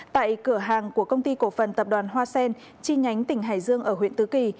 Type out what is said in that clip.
tại cửa hàng của công ty cổ phần tập đoàn hoa sen chi nhánh tỉnh hải dương ở huyện tứ kỳ